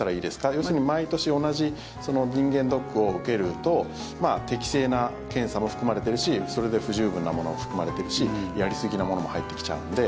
要するに毎年、同じ人間ドックを受けると適正な検査も含まれてるしそれで不十分なものも含まれてるしやりすぎなものも入ってきちゃうので。